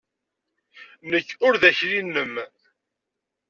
Nekk ur d akli-nnem!